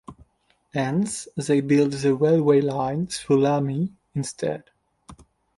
Hence, they built the railway line though Lamy, instead.